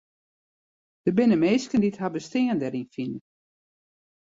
Der binne minsken dy't har bestean deryn fine.